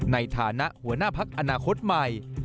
ในฐานะหัวหน้าพักอนาคตใหม่